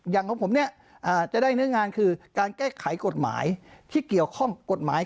ของผมเนี่ยจะได้เนื้องานคือการแก้ไขกฎหมายที่เกี่ยวข้องกฎหมาย